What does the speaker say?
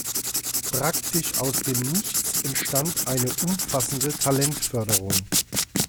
Praktisch aus dem Nichts entstand eine umfassende Talentförderung.